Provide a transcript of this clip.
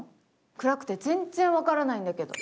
暗くて全然分からないんだけど。